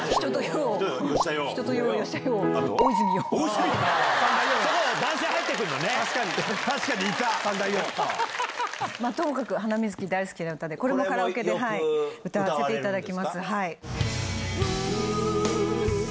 ともかくハナミズキ大好きな歌で、これもカラオケでよく歌わせていただきます。